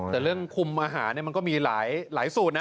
แต่เรื่องคุมอาหารมันก็มีหลายสูตรนะ